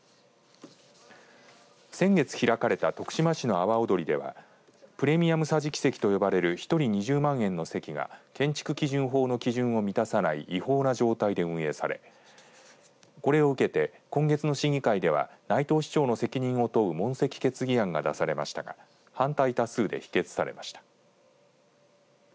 先月開かれた徳島市の阿波おどりではプレミアム桟敷席と呼ばれる一人２０万円の席が建築基準法の基準を満たさない違法な状態で運営されこれを受けて今月の審議会では内藤市長の責任を問う問責決議案が出されましたが反対多数で否決されました。